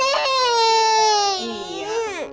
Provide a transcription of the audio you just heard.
apa sih ibu